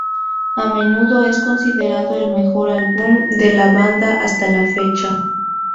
A menudo es considerado el mejor álbum de la banda hasta la fecha.